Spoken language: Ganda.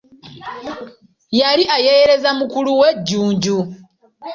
Yali ayeeyereza mukulu we Jjunju.